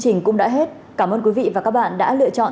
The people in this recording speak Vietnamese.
trình cũng đã hết cảm ơn quý vị và các bạn đã lựa chọn